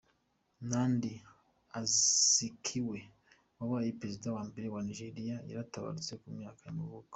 Nnamdi Azikiwe, wabaye perezida wa mbere wa Nigeria yaratabarutse, ku myaka y’amavuko.